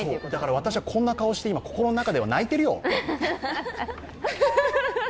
私はこんな顔して、心の中では泣いてるよ。